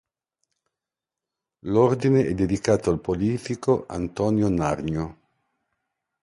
L'Ordine è dedicato al politico Antonio Nariño.